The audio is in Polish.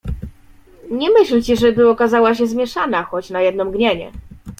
"Nie myślcie, żeby okazała się zmieszana, choć na jedno mgnienie."